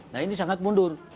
nah ini sangat mundur